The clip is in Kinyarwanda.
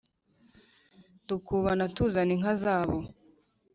Dukubana tuzana inka zabo